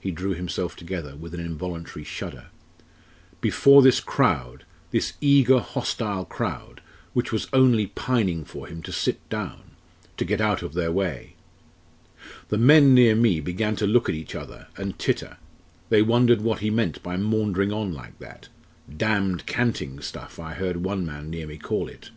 he drew himself together with an involuntary shudder "before this crowd, this eager hostile crowd which was only pining for him to sit down to get out of their way. The men near me began to look at each other and titter. They wondered what he meant by maundering on like that 'damned canting stuff' I heard one man near me call it.